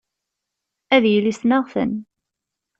Ad yili ssneɣ-ten.